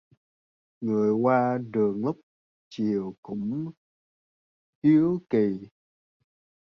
Người qua đường lúc chiều cũng hiếu kỳ